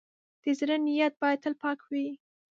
د زړۀ نیت باید تل پاک وي.